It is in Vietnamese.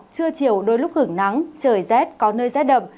trưa chiều đôi lúc hưởng nắng trời rét có nơi rét đậm